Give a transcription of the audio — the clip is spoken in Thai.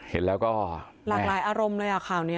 เห็นแล้วก็หลากหลายอารมณ์เลยอ่ะข่าวนี้